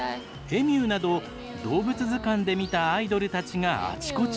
エミューなど動物図鑑で見たアイドルたちがあちこちに。